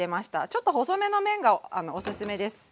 ちょっと細めの麺がおすすめです。